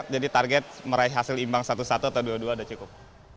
jadi target meraih hasil imbang satu satu atau dua dua udah cukup